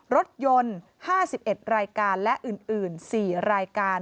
รถยนต์๕๑รายการและอื่น๔รายการ